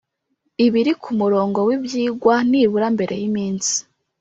Ibiri ku murongo w ibyigwa nibura mbere y iminsi